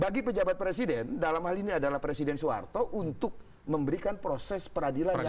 bagi pejabat presiden dalam hal ini adalah presiden soeharto untuk memberikan proses peradilan yang